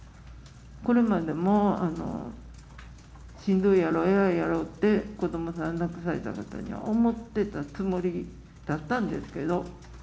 これまでもしんどいやろ、えらいやろうって、子どもさんを亡くされた方には思ってたつもりだったんですけど。